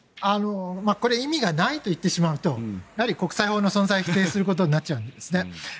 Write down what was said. これ、意味がないと言ってしまうとやはり国際法の存在を否定することになっちゃうんですね。